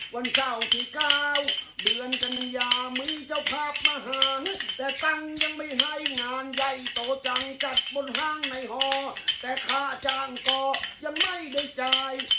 วันเศร้าที่เก้าเดือนกันยามือเจ้าภาพมหาแต่ตั้งยังไม่ให้งานใหญ่โตจังจัดบนห้างในห่อแต่ค่าจ้างก่อยังไม่ได้จ่าย